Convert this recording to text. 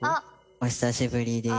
お久しぶりです。